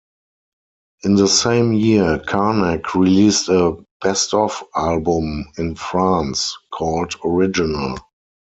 In the same year, Karnak released a "best of" album in France, called "Original".